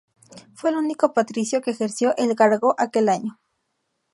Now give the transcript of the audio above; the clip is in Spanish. Fue el único patricio que ejerció el cargo aquel año.